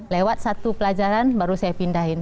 lewat satu pelajaran baru saya pindahin